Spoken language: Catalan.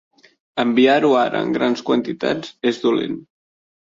Enviar-ho ara en grans quantitats és dolent.